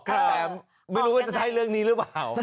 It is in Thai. แต่ไม่รู้ว่าจะใช่เรื่องนี้หรือเปล่า